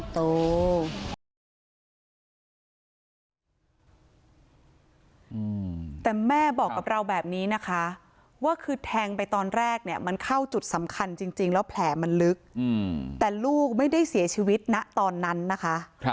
โตแต่แม่บอกกับเราแบบนี้นะคะว่าคือแทงไปตอนแรกเนี่ยมันเข้าจุดสำคัญจริงแล้วแผลมันลึกแต่ลูกไม่ได้เสียชีวิตณตอนนั้นนะคะ